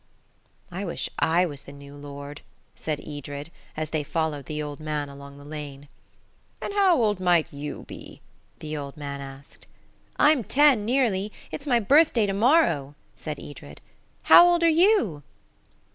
"I wish I was the new lord," said Edred, as they followed the old man along the lane. "An' how old might you be?" the old man asked. "I'm ten nearly. It's my birthday to morrow," said Edred. "How old are you?"